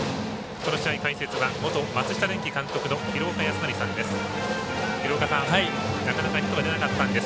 この試合、解説は元松下電器監督の廣岡資生さんです。